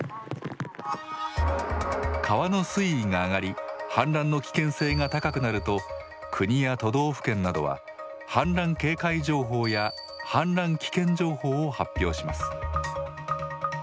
川の水位が上がり氾濫の危険性が高くなると国や都道府県などは氾濫警戒情報や氾濫危険情報を発表します。